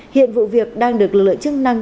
hiện vụ việc đang được lợi chức năng